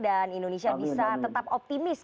dan indonesia bisa tetap optimis